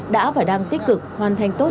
đã và đang tích cực hoàn thành tốt